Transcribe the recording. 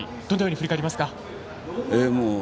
どのように振り返りますか？